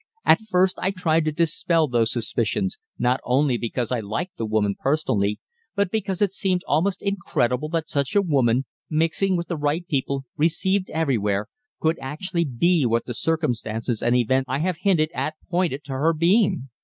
At first I tried to dispel those suspicions, not only because I liked the woman personally, but because it seemed almost incredible that such a woman, mixing with the right people, received everywhere, could actually be what the circumstances and events I have hinted at pointed to her being.